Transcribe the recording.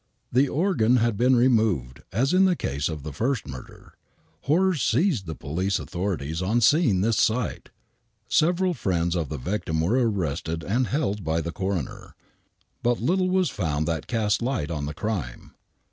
The organ had been removed as in the case of the first murder. Horror seized the police authorities on seeing this sight. Several friends of the victim were arrested and held by the coroner. But little was found that cast light on the crime.